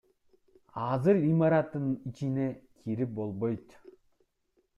Азыр имараттын ичине кирип болбойт.